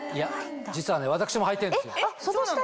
実は私もはいてるんですよ。